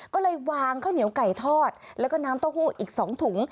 ก็เลยวางข้าวเหนียวไก่ทอดแล้วก็น้ำเต้าหู้อีก๒ถุง